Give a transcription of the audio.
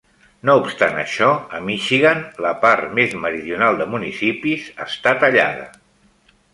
No obstant això, a Michigan, la part més meridional de municipis està tallada.